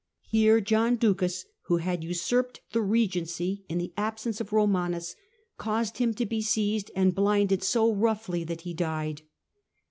Here John Ducas, who had usurped the regency in the absence of Romanus, caused him to be seized and blinded so roughly that he died.